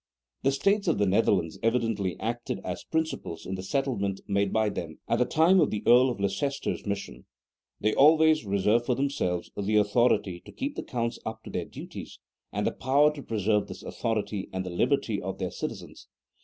The States of the Netherlands evidently acted as principals in the settlement made by them at the time of the Earl of Leicester's mission: they always reserved for themselves the authority to keep the counts up to their duties, and the power to preserve this authority and the liberty of the citizens.